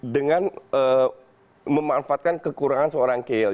dengan memanfaatkan kekurangan seorang keil